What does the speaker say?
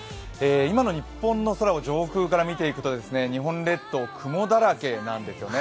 今の日本の空を上空から見ていくと日本列島、雲だらけなんですよね。